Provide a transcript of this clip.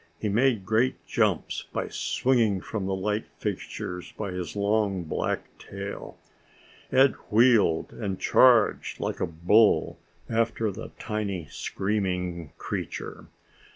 He made great jumps by swinging from light fixtures by his long black tail. Ed wheeled and charged like a bull after the tiny screaming creature.